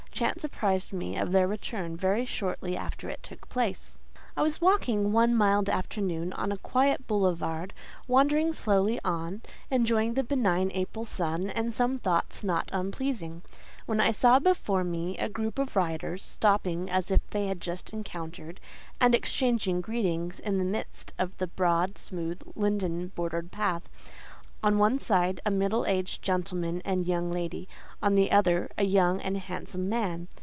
Chance apprised me of their return very shortly after it took place. I was walking one mild afternoon on a quiet boulevard, wandering slowly on, enjoying the benign April sun, and some thoughts not unpleasing, when I saw before me a group of riders, stopping as if they had just encountered, and exchanging greetings in the midst of the broad, smooth, linden bordered path; on one side a middle aged gentleman and young lady, on the other—a young and handsome man.